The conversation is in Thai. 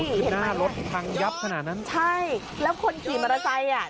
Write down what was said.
โอ้โหเห็นไหมหน้ารถทางยับขนาดนั้นใช่แล้วคนกินมอเตอร์ไซค์อ่ะ